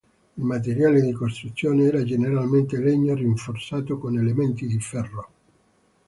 Il materiale di costruzione era generalmente legno rinforzato con elementi di ferro.